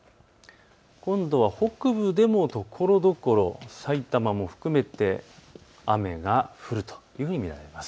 今度は北部でもところどころ、さいたまも含めて雨が降るというふうに見られます。